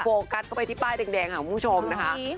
โฟกัสเข้าไปที่ป้ายแดงของผู้ชมนะคะอันนี้